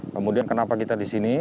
kemudian kenapa kita di sini